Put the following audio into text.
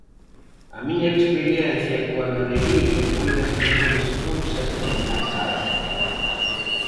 A miña experiencia coa galería foi das mellores cousas que me pasaron.